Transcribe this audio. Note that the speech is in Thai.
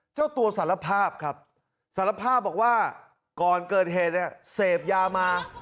เจ้าตัวสารภาพครับสารภาพบอกว่าก่อนเกิดเหตุเนี่ยเสพยามา